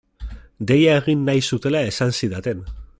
Deia egin nahi zutela esan zidaten.